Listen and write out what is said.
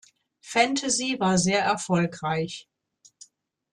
Fantasy" war sehr erfolgreich.